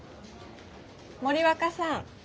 森若さん。